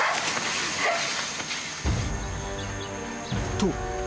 ［と］